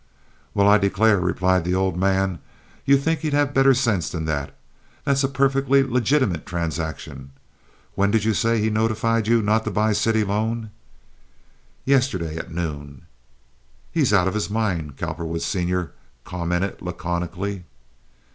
"Well, I declare!" replied the old man. "You'd think he'd have better sense than that. That's a perfectly legitimate transaction. When did you say he notified you not to buy city loan?" "Yesterday noon." "He's out of his mind," Cowperwood, Sr., commented, laconically.